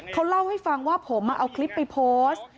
เขาเล่าให้ฟังว่าผมเอาคลิปไปโพสต์